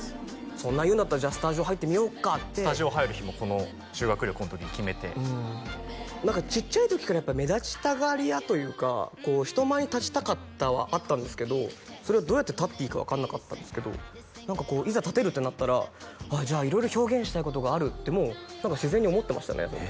そんな言うんだったらじゃあスタジオ入ってみよっかってスタジオ入る日もこの修学旅行の時に決めてちっちゃい時からやっぱ目立ちたがり屋というか人前に立ちたかったはあったんですけどそれをどうやって立っていいか分かんなかったんですけど何かこういざ立てるってなったらじゃあ色々表現したいことがあるってもう自然に思ってましたね